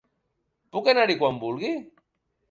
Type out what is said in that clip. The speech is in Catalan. Puc anar-hi quan vulgui?